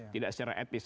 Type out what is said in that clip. tidak secara etnis